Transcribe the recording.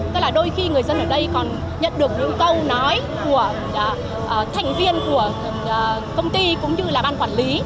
tức là đôi khi người dân ở đây còn nhận được những câu nói của thành viên của công ty cũng như là ban quản lý